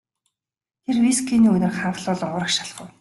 Тэр вискиний үнэр ханхлуулан урагш алхав.